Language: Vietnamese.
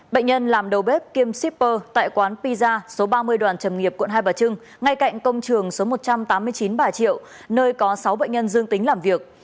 bệnh nhân làm đầu bếp kiêm shipper tại quán pizza số ba mươi đoàn trầm nghiệp quận hai bà trưng ngay cạnh công trường số một trăm tám mươi chín bà triệu nơi có sáu bệnh nhân dương tính làm việc